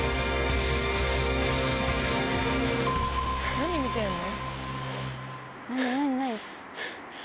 何見てんの？